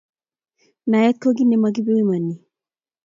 naet ko kei nomokipimani